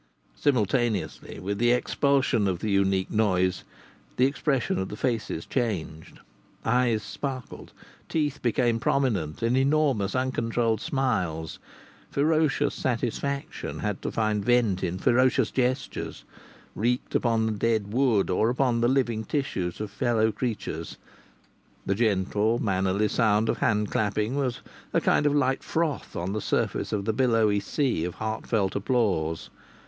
Simultaneously with the expulsion of the unique noise the expression of the faces changed. Eyes sparkled; teeth became prominent in enormous, uncontrolled smiles. Ferocious satisfaction had to find vent in ferocious gestures, wreaked either upon dead wood or upon the living tissues of fellow creatures. The gentle, mannerly sound of hand clapping was a kind of light froth on the surface of the billowy sea of heartfelt applause.